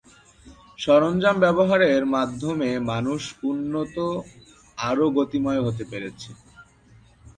সরঞ্জাম ব্যবহারের মাধ্যমে মানুষ উন্নত ও আরও গতিময় হতে পেরেছে।